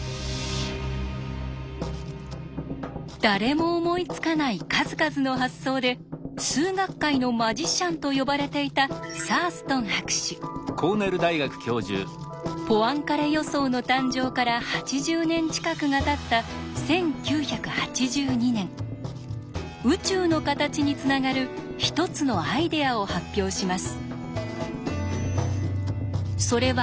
誰も思いつかない数々の発想で「数学界のマジシャン」と呼ばれていたポアンカレ予想の誕生から８０年近くがたった１９８２年宇宙の形につながる一つのアイデアを発表します。